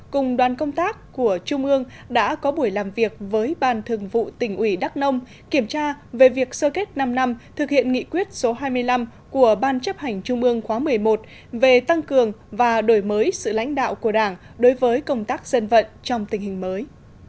cùng đoàn công tác của trung ương đã có buổi làm việc với ban thường vụ tỉnh ủy đắk nông kiểm tra về việc sơ kết năm năm thực hiện nghị quyết số hai mươi năm của ban chấp hành trung ương khóa một mươi một về tăng cường và đổi mới sự lãnh đạo của đảng đối với công tác dân vận trong tình hình mới